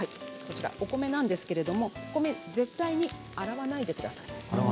お米なんですけれど絶対に洗わないでください。